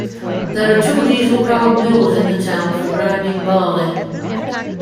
There are two diesel-powered mills in the town for grinding barley.